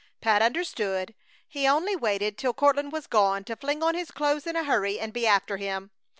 Pat understood. He only waited till Courtland was gone to fling on his clothes in a hurry and be after him.